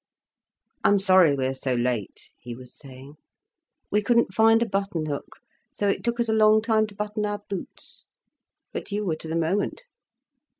"I'm sorry we are so late," he was saying. "We couldn't find a button hook, so it took us a long time to button our boots. But you were to the moment."